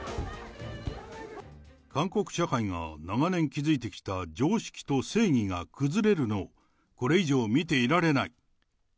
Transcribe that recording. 韓国社会が長年築いてきた常識と正義が崩れるのを、これ以上見ていられない。